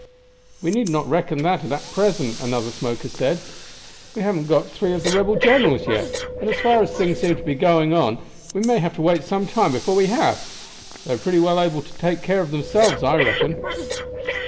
"We need not reckon that out at present," another smoker said. "We haven't got three of the rebel generals yet, and as far as things seem to be going on, we may have to wait some time before we have. They are pretty well able to take care of themselves, I reckon."